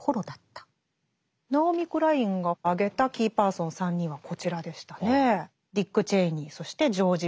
ナオミ・クラインが挙げたキーパーソン３人はこちらでしたね。